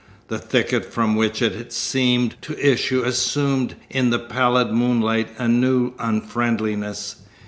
The thicket from which it had seemed to issue assumed in the pallid moonlight a new unfriendliness.